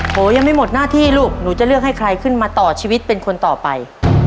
โอยังไม่หมดหน้าที่ลูกหนูจะเลือกให้ใครขึ้นมาต่อชีวิตเป็นคนต่อไป